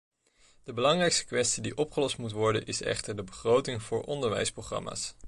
De belangrijkste kwestie die opgelost moet worden is echter de begroting voor onderwijsprogramma's.